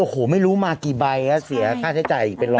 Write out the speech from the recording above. โอ้โหไม่รู้มากี่ใบเสียค่าใช้จ่ายอีกเป็นร้อย